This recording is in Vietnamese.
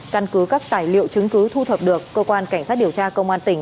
căn cứ các tài liệu chứng cứ thu thập được cơ quan cảnh sát điều tra công an tỉnh